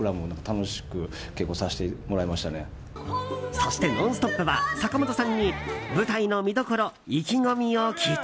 そして「ノンストップ！」は坂本さんに舞台の見どころ、意気込みを聞いた。